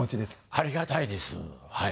ありがたいですはい。